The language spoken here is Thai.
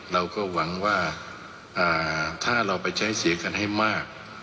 เราก็หวังว่าถ้าเราไปใช้เสียงกันให้มาก